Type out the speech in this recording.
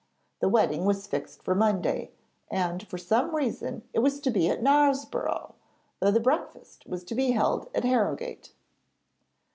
The wedding was fixed for Monday, and for some reason it was to be at Knaresborough, though the breakfast was to be held at Harrogate.